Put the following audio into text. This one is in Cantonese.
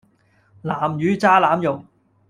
南乳炸腩肉